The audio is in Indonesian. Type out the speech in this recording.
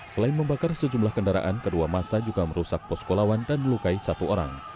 selain membakar sejumlah kendaraan kedua masa juga merusak posko lawan dan melukai satu orang